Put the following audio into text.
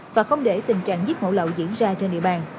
và không để tình trạng giết mổ lậu diễn ra trên địa bàn